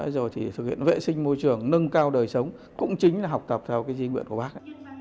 rồi thì thực hiện vệ sinh môi trường nâng cao đời sống cũng chính là học tập theo cái di nguyện của bác